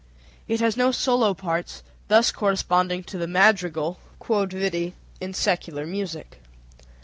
It has no solo parts, thus corresponding to the madrigal (q.v.) in secular music.